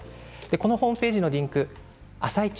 このホームページのリンク「あさイチ」